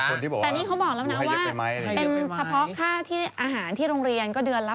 แชะใครค่ะ